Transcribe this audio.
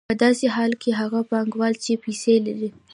په داسې حالت کې هغه پانګوال چې پیسې لري